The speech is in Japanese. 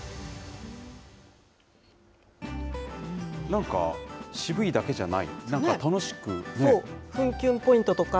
なんか、渋いだけじゃない、楽しくね。